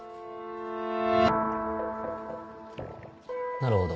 なるほど。